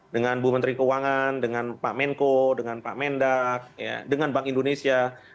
dengan bu menteri keuangan dengan pak menko dengan pak mendak dengan bank indonesia